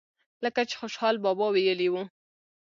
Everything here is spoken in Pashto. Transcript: لکه چې خوشحال بابا وئيلي وو۔